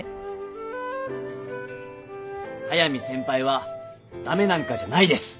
速見先輩は駄目なんかじゃないです！